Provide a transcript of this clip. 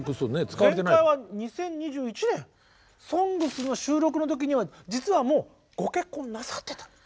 前回は２０２１年「ＳＯＮＧＳ」の収録の時には実はもうご結婚なさってた。